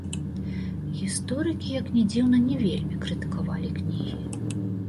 Гісторыкі, як не дзіўна, не вельмі крытыкавалі кнігі.